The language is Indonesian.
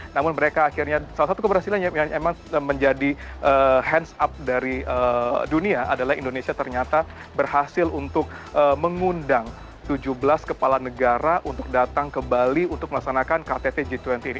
namun mereka akhirnya salah satu keberhasilan yang memang menjadi hands up dari dunia adalah indonesia ternyata berhasil untuk mengundang tujuh belas kepala negara untuk datang ke bali untuk melaksanakan ktt g dua puluh ini